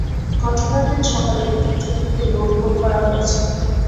ঘটনার দিন সকালে মুক্তিযোদ্ধাদের রোল কল করা হয়েছিল।